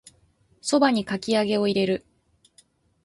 蕎麦にかき揚げを入れる